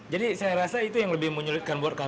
saya rasa itu yang lebih menyulitkan buat kami